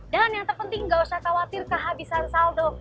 dan yang terpenting gak usah khawatir kehabisan saldo